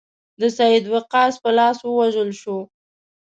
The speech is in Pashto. د سعد وقاص په لاس ووژل شو.